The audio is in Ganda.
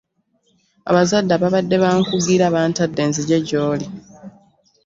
Abazadde ababadde bankugira bantadde nzije gyoli.